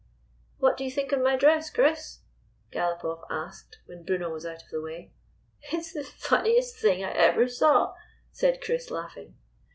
"What do you think of my dress, Chris?" GalopofF asked, when Bruno was out of the way. " It 's the funniest thing I ever saw," said Chris, laughing.